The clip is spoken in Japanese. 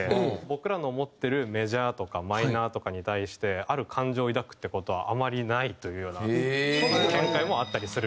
僕らの思ってるメジャーとかマイナーとかに対してある感情を抱くって事はあまりないというような見解もあったりするみたいで。